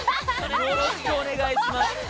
よろしくお願いします。